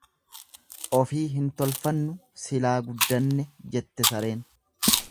Ofii hin tolfannu silaa guddanne jette sareen.